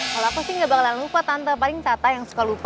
kalau aku sih gak bakalan lupa tante paling tante yang suka lupa